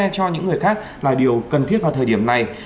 cho những người khác là điều cần thiết vào thời điểm này